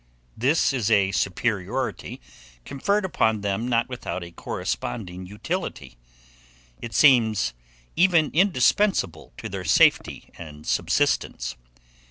This is a superiority conferred upon them not without a corresponding utility: it seems even indispensable to their safety and subsistence.